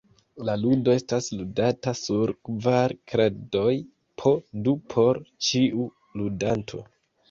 La ludo estas ludata sur kvar kradoj, po du por ĉiu ludanto.